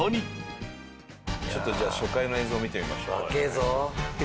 ちょっとじゃあ初回の映像見てみましょう。